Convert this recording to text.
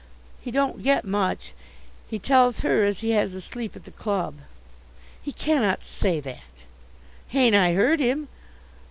"He don't get much. He tells her as he has a sleep at the club." "He cannot say that." "Hain't I heard him?